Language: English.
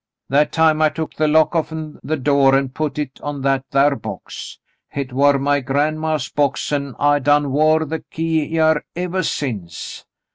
That time I took the lock off 'n the door an' put hit on that thar box. Hit war my gran'maw's box, an' I done wore the key hyar evah since.